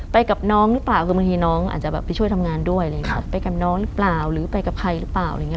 กับน้องหรือเปล่าคือบางทีน้องอาจจะแบบไปช่วยทำงานด้วยอะไรอย่างนี้ไปกับน้องหรือเปล่าหรือไปกับใครหรือเปล่าอะไรอย่างเง